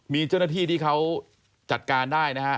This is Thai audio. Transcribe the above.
มีเจ้าหน้าที่ที่เขาจัดการได้นะฮะ